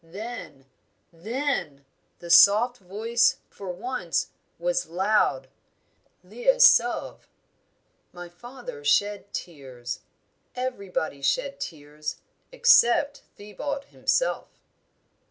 Then then the soft voice for once was loud. 'Ii est sauve!' My father shed tears; everybody shed tears except Thibaut himself."